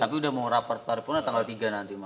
tapi sudah mau raport pada pula tanggal tiga nanti